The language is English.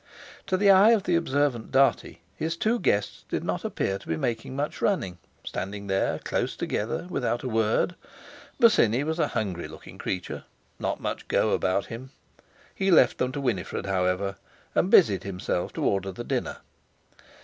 To the eye of the observant Dartie his two guests did not appear to be making much running, standing there close together, without a word. Bosinney was a hungry looking creature—not much go about him! He left them to Winifred, however, and busied himself to order the dinner.